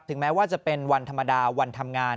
แม้ว่าจะเป็นวันธรรมดาวันทำงาน